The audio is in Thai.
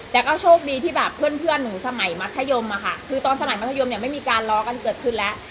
แต่ก็โชคดีที่แบบเพื่อนหนูสมัยมัธยมอะค่ะคือตอนสมัยมัธยมเนี่ยไม่มีการล้อกันเกิดขึ้นแล้ว